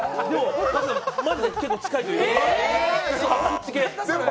マジで結構近いというか。